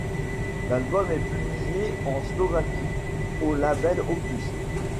L'album est publié en Slovaquie au label Opus.